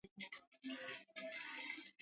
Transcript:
inavyotarajiwa kwa mnyama mfu